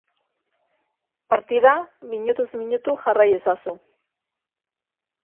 Partida, minutuz minutu jarrai ezazu.